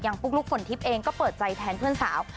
ปุ๊กลุ๊กฝนทิพย์เองก็เปิดใจแทนเพื่อนสาว